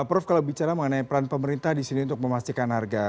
prof kalau bicara mengenai peran pemerintah disini untuk memastikan harga